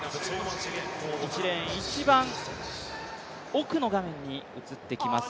１レーン、一番奥の画面に映ってきます